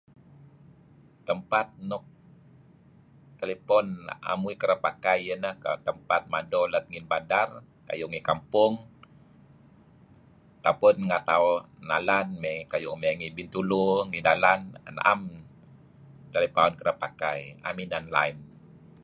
Tempat nuk telepon na'em uih kereb pakai iyeh ineh tempat mado let ngi bandar kayu' ngi kampong atau pun renga' tauh nalan mey ngi Bintulu ngi dalan, na'em telepaun kereb pakai, 'am inan line.